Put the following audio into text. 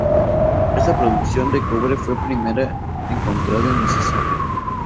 Esta producción de cobre fue la primera encontrada en el Mississippi.